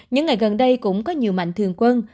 những ngày gần đây cũng có nhiều mạnh thường quân